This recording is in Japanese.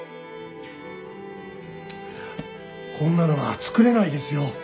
こんなのは作れないですよ。